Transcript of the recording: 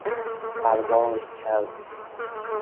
پرواز کرد